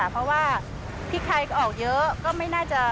เพราะว่าพริกไทยออกเยอะ